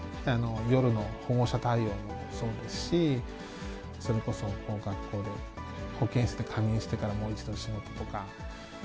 夜の保護者対応もそうですし、それこそ、学校で、保健室で仮眠してからもう一度仕事とか。